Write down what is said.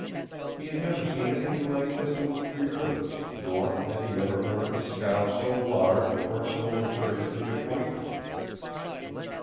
He had never seen anything like this on the Three Rivers, nor had he ever heard of a scow so large or so luxuriously appointed.